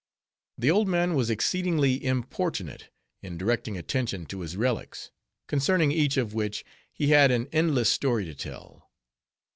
The old man was exceedingly importunate, in directing attention to his relics; concerning each of which, he had an endless story to tell.